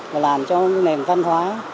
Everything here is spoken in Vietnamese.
và làm cho nền văn hóa